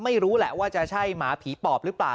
ไม่รู้แหละว่าจะใช่หมาผีปอบหรือเปล่า